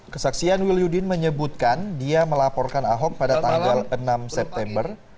kesaksian wil yudin menyebutkan dia melaporkan ahok pada tanggal enam september